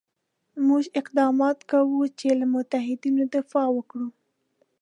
موږ اقدامات کوو چې له متحدینو دفاع وکړو.